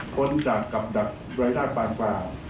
พ้นดัดกับดักรายได้ปานกลาง